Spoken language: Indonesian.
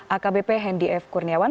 akbp hendy f kurniawan